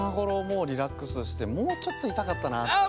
もうリラックスしてもうちょっといたかったなって。